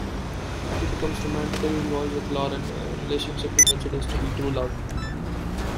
He becomes romantically involved with Lauren, a relationship he considers to be true love.